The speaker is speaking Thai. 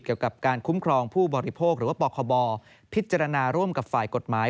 เกี่ยวกับการคุ้มครองผู้บริโภคหรือว่าปคบพิจารณาร่วมกับฝ่ายกฎหมาย